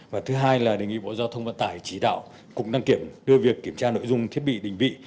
và thứ hai là đề nghị bộ giao thông vận tải chỉ đạo cục đăng kiểm đưa việc kiểm tra nội dung thiết bị định vị